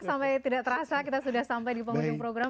sampai tidak terasa kita sudah sampai di penghujung program